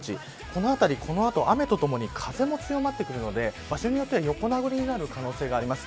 この辺りこの後、雨とともに風も強まってくるので場所によっては横殴りになる可能性があります。